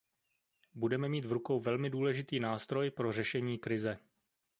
Budeme mít v rukou velmi důležitý nástroj pro řešení krize.